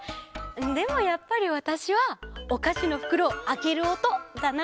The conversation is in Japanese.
でもやっぱりわたしはおかしのふくろをあけるおとだな。